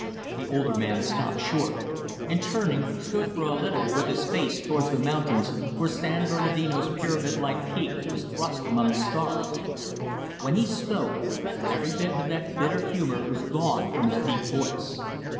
The older man stopped short, and, turning, stood for a little with his face towards the mountains where San Bernardino's pyramid like peak was thrust among the stars. When he spoke, every bit of that bitter humor was gone from his deep voice.